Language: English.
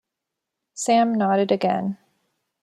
Sam nodded again.